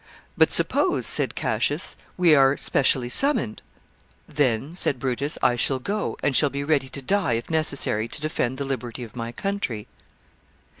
"But suppose," said Cassius, "we are specially summoned." "Then," said Brutus, "I shall go, and shall be ready to die if necessary to defend the liberty of my country."